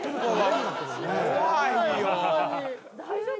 大丈夫？